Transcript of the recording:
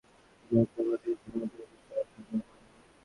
পরে শাহীন রেজার সমর্থকেরা নৌকা প্রতীকের সমর্থকদের ওপর পাল্টা হামলা করেন।